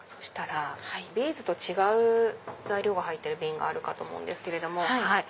ビーズと違う材料が入ってる瓶があるかと思うんですけれども。